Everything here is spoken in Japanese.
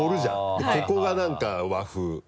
でここが何か和風。